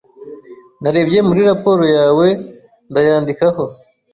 Narebye muri raporo yawe ndayandikaho.